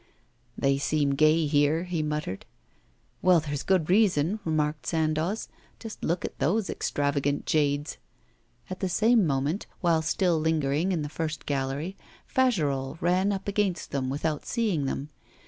'They seem gay here,' he muttered. 'Well, there's good reason,' remarked Sandoz. 'Just look at those extravagant jades!' At the same moment, while still lingering in the first gallery, Fagerolles ran up against them without seeing them.